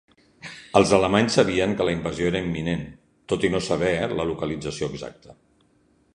Els alemanys sabien que la invasió era imminent, tot i no saber la localització exacta.